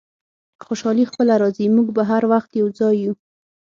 خوشحالي خپله راځي، موږ به هر وخت یو ځای یو.